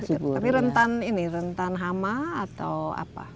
tapi rentan ini rentan hama atau apa